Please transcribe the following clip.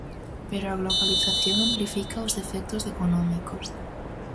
Pero a globalización amplifica os efectos económicos.